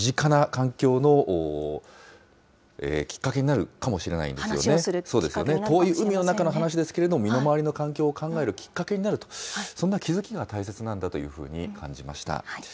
話をするきっかけになるかも遠い海の中の話ですけれども、身の回りの環境を考えるきっかけになると、そんな気付きが大切なんだというふうに感じました。